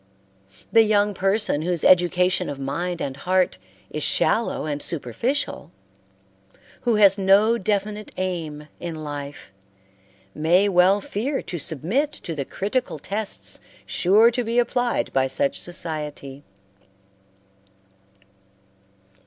The young person whose education of mind and heart is shallow and superficial, who has no definite aim in life, may well fear to submit to the critical tests sure to be applied by such society.